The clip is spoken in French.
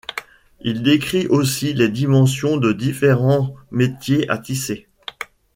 Il décrit aussi les dimensions des différents métiers à tisser.